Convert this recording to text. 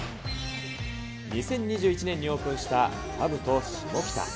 ２０２１年にオープンしたカブトシモキタ。